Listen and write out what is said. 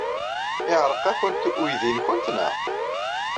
Yeɛreq-awent weydi-nwent, naɣ?